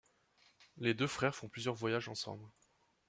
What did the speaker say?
Les deux frères font plusieurs voyages ensemble.